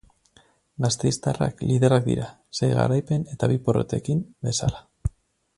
Gasteiztarrak liderrak dira, sei garaipen eta bi porrotekin, bezala.